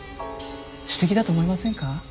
詩的だと思いませんか？